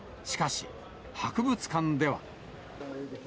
しかし、博物館では。